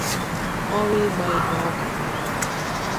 ọrụ ịgba ihe ọkụ.